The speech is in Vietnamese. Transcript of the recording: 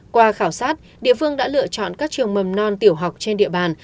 qua khảo sát địa phương đã lựa chọn các trường mầm non tiểu học trên địa bàn